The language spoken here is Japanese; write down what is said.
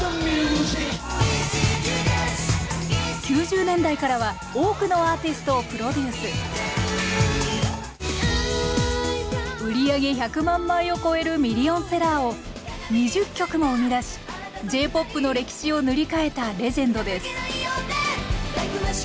９０年代からは多くのアーティストをプロデュース売り上げ１００万枚を超えるミリオンセラーを２０曲も生み出しＪ−ＰＯＰの歴史を塗り替えたレジェンドです